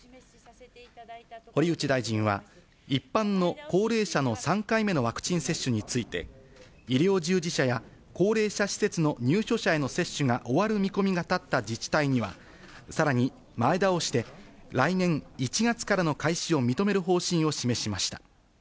堀内大臣は、一般の高齢者の３回目のワクチン接種について、医療従事者や高齢者施設の入所者への接種が終わる見込みが立った自治体には、さらに前倒して来年１月からの開始を認める方針を示しました。